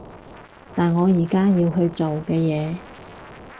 但我而家要去做嘅嘢